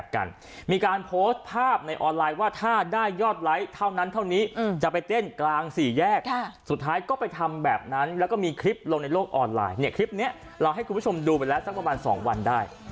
คลิปนี้เราให้คุณผู้ชมดูแปละสักประมาณ๒วันได้